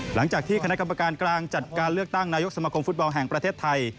หลังจากที่คณะกรรมการกลางจัดการเลือกตั้งนายกสมคมฟุตบอลแห่งประเทศไทย